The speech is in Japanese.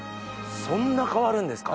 そんな変わるんですか？